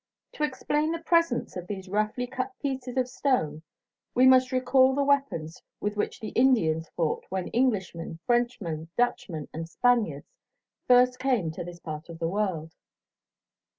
To explain the presence of these roughly cut pieces of stone we must recall the weapons with which the Indians fought when Englishmen, Frenchmen, Dutchmen, and Spaniards first came to this part of the world.